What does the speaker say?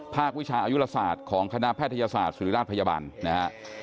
วิชาอายุลศาสตร์ของคณะแพทยศาสตร์ศิริราชพยาบาลนะฮะ